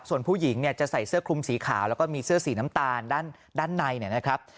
ส่วนผู้หญิงเนี่ยจะใส่เสื้อคลุมสีขาวแล้วก็มีเสื้อสีน้ำตาลด้านในเนี่ยนะครับ